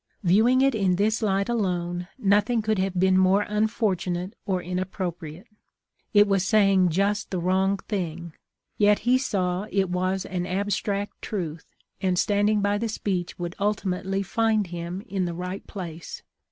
Viewing it in this light alone, noth ing could have been more unfortunate or inappro priate. It was saying just the wrong thing; yet he saw it was an abstract truth, and standing by the speech would ultimately find him in the right place.